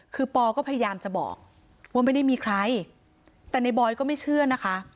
คือปอก็พยายามจะบอกว่าไม่ได้มีใครแต่ในบอยก็ไม่เชื่อนะคะ